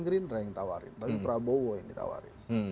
gerindra yang tawarin tapi prabowo yang ditawarin